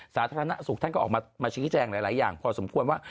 สาธารณสุขท่านก็ออกมาชี้แจงหลายอย่างพอสมควรว่า